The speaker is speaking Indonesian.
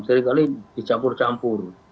seri kali dicampur campur